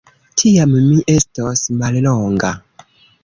Tiam mi estos mallonga.